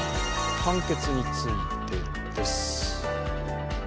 判決についてです。